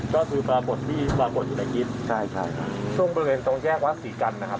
ก็คือปรากฏที่ปรากฏอยู่ในกิทส่วนบริเวณตรงแยกว่าสีกันนะครับ